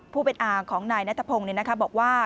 ผู้เป็นอาของนายนัทพงศ์บอกว่า